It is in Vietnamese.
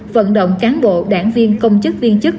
vận động cán bộ đảng viên công chức viên chức